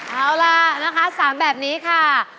เอาล่ะนะคะ๓แบบนี้ค่ะ